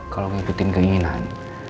kalau ngikutin keinginan